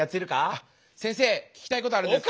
あっ先生聞きたいことあるんですけど。